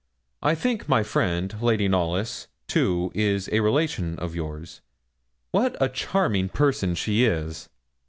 I think my friend, Lady Knollys, too, is a relation of yours; what a charming person she is!'